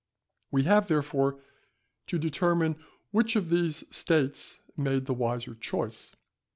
We have, therefore, to determine which of these States made the wiser choice.